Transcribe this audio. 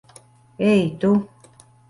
Ei, tu!